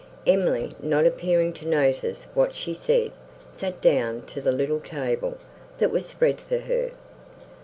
Emily, not appearing to notice what she said, sat down to the little table, that was spread for her.